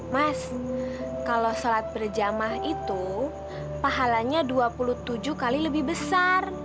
mas kalau sholat berjamaah itu pahalanya dua puluh tujuh kali lebih besar